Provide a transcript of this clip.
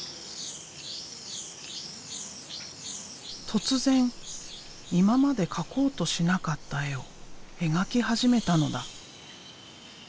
突然今まで描こうとしなかった絵を描き始めたのだ。